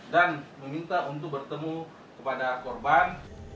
dan meminta untuk bertemu kepada korban